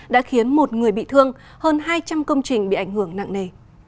đã khiến một người bị thương hơn hai trăm linh công trình bị ảnh hưởng nặng nề